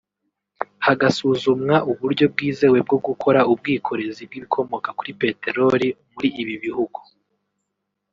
hagasuzumwa uburyo bwizewe bwo gukora ubwikorezi bw’ibikomoka kuri peteroli muri ibi bihugu